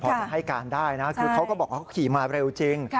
พอจะให้การได้นะคือเขาก็บอกว่าเขาขี่มาเร็วจริง